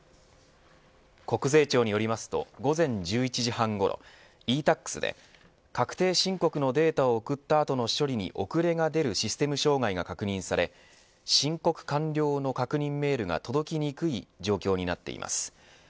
国税庁によりますと午前１１時半ごろｅ−Ｔａｘで確定申告のデータを送った後の処理に遅れが出るシステム障害が確認され申告完了の確認メールが届きにくい状況になっています。